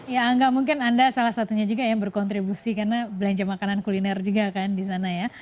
ya angga mungkin anda salah satunya juga yang berkontribusi karena belanja makanan kuliner juga kan di sana ya